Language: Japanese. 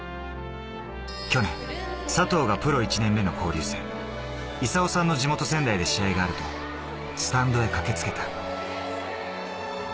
去年、佐藤がプロ１年目の交流戦、勲さんの地元・仙台で試合があるとき、スタンドで駆けつけた。